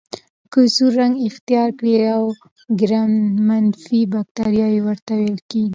که سور رنګ اختیار کړي ګرام منفي بکټریا ورته ویل کیږي.